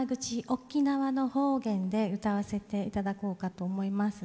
沖縄の方言で歌わせて頂こうかと思います。